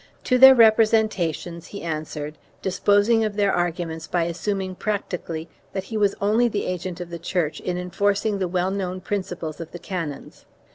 To their representations he answered, disposing of their arguments by assuming practically that he was only the agent of the Church in enforcing the well known principles of the canons.